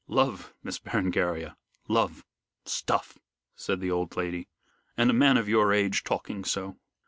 "Love! Miss Berengaria, love!" "Stuff!" said the old lady, "and a man of your age talking so.